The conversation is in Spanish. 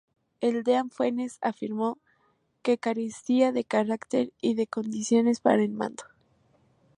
El Deán Funes afirmó que carecía de carácter y de condiciones para el mando.